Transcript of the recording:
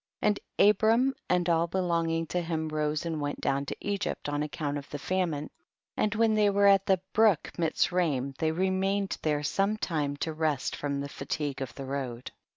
2. And Abram and all belonging to him rose and went down to Egypt on accoimt of the famine, and when they were at the brook Mitzraim they remained there some time to rest from the fatigue of the road.